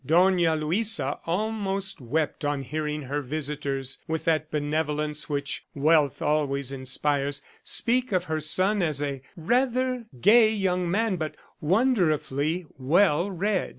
. Dona Luisa almost wept on hearing her visitors with that benevolence which wealth always inspires speak of her son as "a rather gay young man, but wonderfully well read!"